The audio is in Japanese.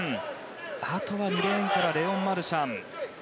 あとは２レーンからレオン・マルシャン。